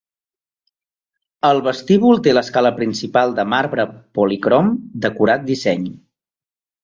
El vestíbul té l'escala principal de marbre policrom d'acurat disseny.